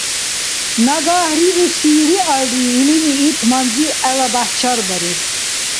Нагагь рируси риалри илини ит манзил гӀелабяхӀ чарбарес